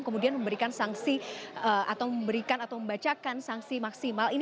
kemudian memberikan sanksi atau memberikan atau membacakan sanksi maksimal